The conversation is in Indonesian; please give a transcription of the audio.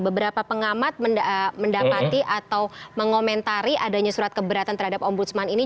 beberapa pengamat mendapati atau mengomentari adanya surat keberatan terhadap ombudsman ini